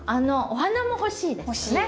お花も欲しいですよね。